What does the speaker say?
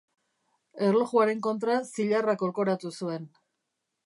Erlojuaren kontra zilarra kolkoratu zuen.